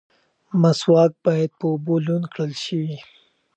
مسواک باید په اوبو لوند کړل شي.